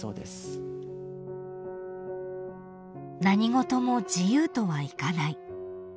［何事も自由とはいかない］